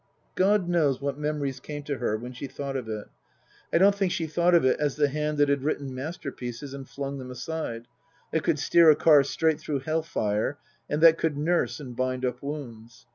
God knows what memories came to her when she thought of it. I don't think she thought of it as the hand that had written masterpieces and flung them aside, that could steer a car straight through hell fire, and that could nurse, and bind up wounds.